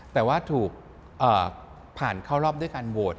แต่ว่าถูกผ่านเข้ารอบด้วยการโหวต